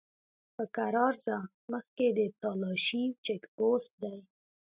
په کرار ځه! مخکې د تالاشی چيک پوسټ دی!